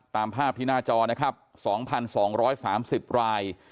ตามภาพที่หน้าจอนะครับ๒๒๓๐ราย